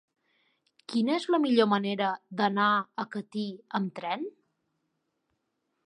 Quina és la millor manera d'anar a Catí amb tren?